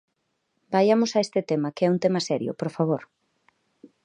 Vaiamos a este tema que é un tema serio, por favor.